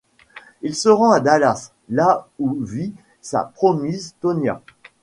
Il se rend à Dallas, là où vit sa promise Tonia.